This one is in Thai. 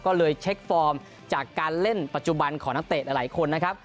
ก็เลยเช็คฟอร์มจากการเล่นปัจจุบันของนักเตะหลายคนนะครับ